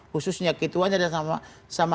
khususnya ketuanya dan sama